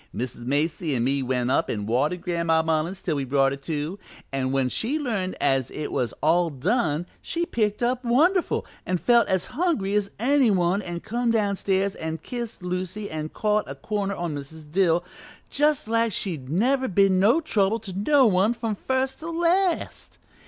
"Mrs. Macy an' me went up an' watered Gran'ma Mullins till we brought her to, and when she learned as it was all done she picked up wonderful and felt as hungry as any one, an' come downstairs an' kissed Lucy an' caught a corner on Mrs. Dill just like she'd never been no trouble to no one from first to last.